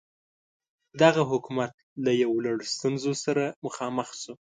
دغه حکومت له یو لړ ستونزو سره مخامخ شو.